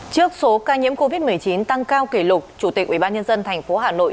trước số ca nhiễm covid một mươi chín tăng cao kỷ lục chủ tịch ubnd tp hà nội